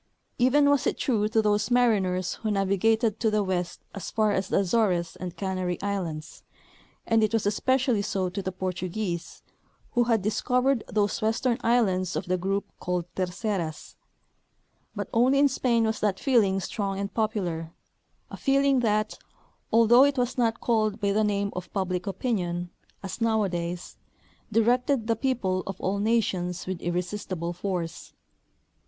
Even was it true to those mari ners who navigated to the west as far as the Azores and Canary islands, and it was especially so to the Portuguese, Avho had dis covered those western islands of the group called Terceras ; but only in Spain Avas that feeling strong and popular, a feeling that, Knowledge of tlhc SphcriciU] of tJie Eartli. 183 although it was not called l)y the name of " public opinion," as nowadays, directed the people of all nations with irresistible force.